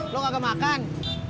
lu gak kemakan